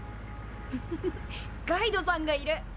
フフフガイドさんがいる！